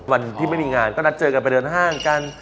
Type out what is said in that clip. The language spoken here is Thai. วันที่ไม่มีงานก็นัดเจอกันไปเดินห้างกัน